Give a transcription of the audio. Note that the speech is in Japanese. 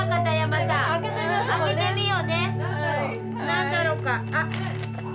何だろうか？